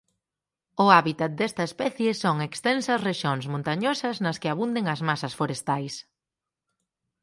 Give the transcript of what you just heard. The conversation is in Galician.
O hábitat desta especie son extensas rexións montañosas nas que abunden as masas forestais.